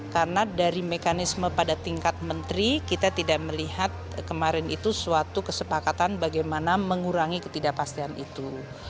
karena dari mekanisme pada tingkat menteri kita tidak melihat kemarin itu suatu kesepakatan bagaimana mengurangi ketidakpastian itu